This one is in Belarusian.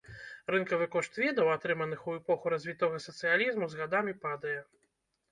Рынкавы кошт ведаў, атрыманых у эпоху развітога сацыялізму, з гадамі падае.